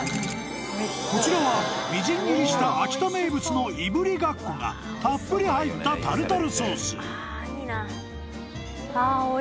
［こちらはみじん切りした秋田名物のいぶりがっこがたっぷり入ったタルタルソース］